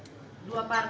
dan yang kedua partai